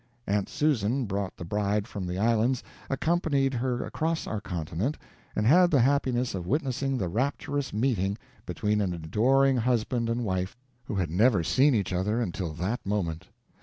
Aunt Susan brought the bride from the islands, accompanied her across our continent, and had the happiness of witnessing the rapturous meeting between an adoring husband and wife who had never seen each other until that moment.